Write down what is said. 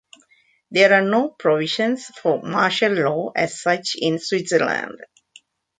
There are no provisions for martial law as such in Switzerland.